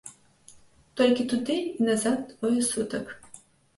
Толькі туды і назад двое сутак.